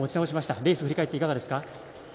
レース振り返っていかがですか。